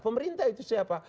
pemerintah itu siapa